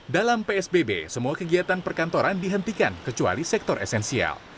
dalam psbb semua kegiatan perkantoran dihentikan kecuali sektor esensial